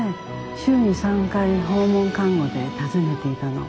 週に３回訪問看護で訪ねていたの。